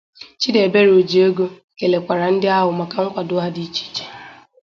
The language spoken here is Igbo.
Chidiebere Ojiego kèlèkwara ndị ahụ maka nkwàdo ha dị iche iche